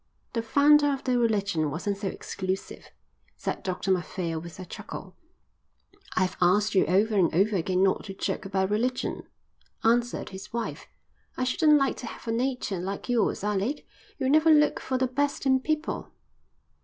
"The founder of their religion wasn't so exclusive," said Dr Macphail with a chuckle. "I've asked you over and over again not to joke about religion," answered his wife. "I shouldn't like to have a nature like yours, Alec. You never look for the best in people."